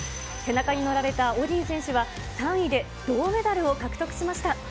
背中に乗られたオディン選手は、３位で銅メダルを獲得しました。